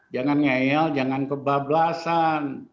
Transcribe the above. jangan ngeyel jangan kebablasan